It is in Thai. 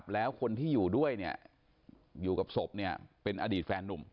แล้วคนที่อยู่ด้วยอยู่กับศพเป็นอดีตแฟนหนุ่ม